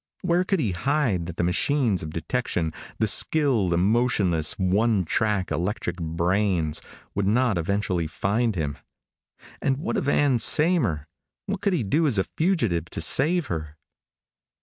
Where could he hide that the machines of detection the skilled, emotionless, one track, electronic brains would not eventually find him? And what of Ann Saymer? What could he do as a fugitive to save her?